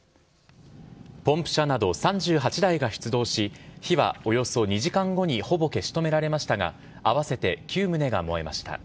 ポンプ車など３８台が出動し、火はおよそ２時間後にほぼ消し止められましたが、合わせて９棟が燃えました。